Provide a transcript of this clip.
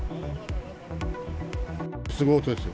すごい音ですよ。